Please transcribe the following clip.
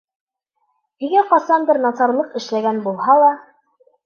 Һиңә ҡасандыр насарлыҡ эшләгән булһа ла.